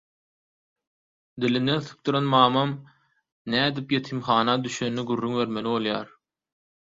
Dilinden sypdyran mamam nädip ýetimhana düşenini gürrüň bermeli bolýar.